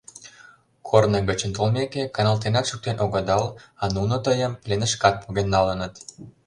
— Корно гычын толмеке, каналтенат шуктен огыдал, а нуно тыйым пленышкат поген налыныт.